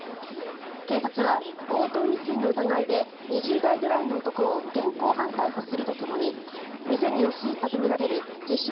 警察は強盗未遂の疑いで２０代ぐらいの男を現行犯逮捕するとともに店に押し入ったとみられる自称